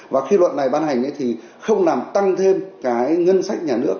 và khi luật này ban hành thì không làm tăng thêm cái ngân sách nhà nước